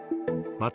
また、